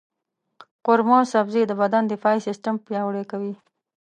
قورمه سبزي د بدن دفاعي سیستم پیاوړی کوي.